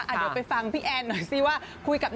เดี๋ยวไปฟังพี่แอนหน่อยซิว่า